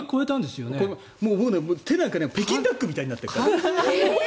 僕ね、手なんか北京ダックみたいになっているから。